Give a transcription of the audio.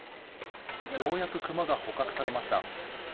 ようやく熊が捕獲されました。